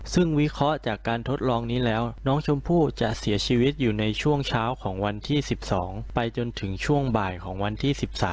ซึ่งวิเคราะห์จากการทดลองนี้แล้วน้องชมพู่จะเสียชีวิตอยู่ในช่วงเช้าของวันที่๑๒ไปจนถึงช่วงบ่ายของวันที่๑๓